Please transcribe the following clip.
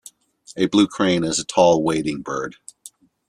A blue crane is a tall wading bird.